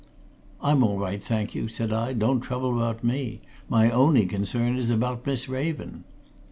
"I'm all right, thank you," said I. "Don't trouble about me. My only concern is about Miss Raven."